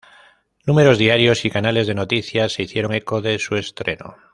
Números diarios y canales de noticias se hicieron eco de su estreno.